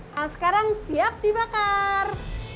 nah sekarang siap dibakar